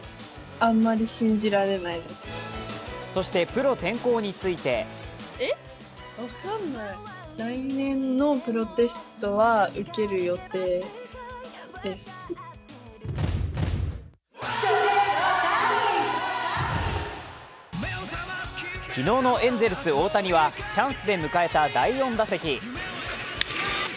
そしてプロ転向について昨日のエンゼルス大谷はチャンスで迎えた第４打席。